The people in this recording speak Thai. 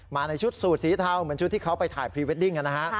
ในชุดสูตรสีเทาเหมือนชุดที่เขาไปถ่ายพรีเวดดิ้งกันนะฮะ